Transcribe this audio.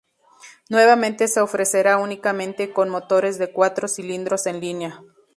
Nuevamente se ofrecerá únicamente con motores de cuatro cilindros en línea.